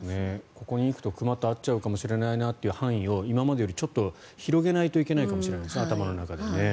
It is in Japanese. ここに行くと熊と会っちゃうかもしれないなって範囲を今までよりちょっと広げないといけないかもしれないですね頭の中でも。